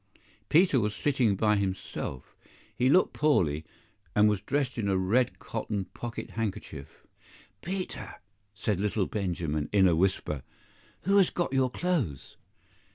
PETER was sitting by himself. He looked poorly, and was dressed in a red cotton pocket handkerchief. "Peter," said little Benjamin, in a whisper "who has got your clothes?"